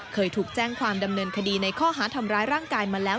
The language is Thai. เคยถูกแจ้งความดำเนินคดีในข้อหาทำร้ายร่างกายมาแล้ว